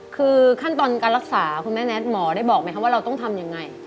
คือขั้นตอนการรักษาคุณแม่แท็กหมอได้บอกไหมคะว่าเราต้องทำยังไง